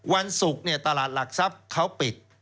วันศุกร์ตลาดหลักทรัพย์เขาปิด